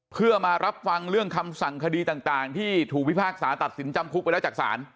เพื่อมารับฟังเรื่องคำสั่งคดีต่างที่ถูกพิพากษาตัดสินจำคุกไปแล้วจากศาล